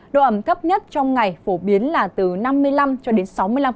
độ ẩm thấp nhất trong ngày phổ biến là từ năm mươi năm cho đến sáu mươi năm